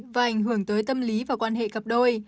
và ảnh hưởng tới tâm lý và quan hệ cặp đôi